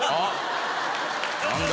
何だ？